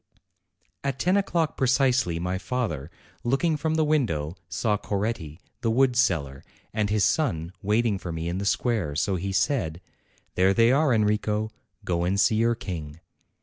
At ten o'clock precisely my father, looking from the window, saw Coretti, the wood seller, and his son waiting for me in the square. So he said : 'There they are, Enrico; go and see your King."